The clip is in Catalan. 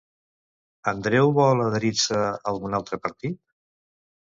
Andreu vol adherir-se a algun altre partit?